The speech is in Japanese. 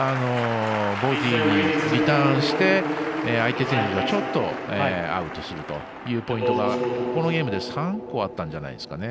ボディーにリターンして相手選手ちょっとアウトするというポイントがこのゲームで３個、あったんじゃないですかね。